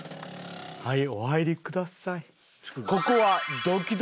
はいお入りください。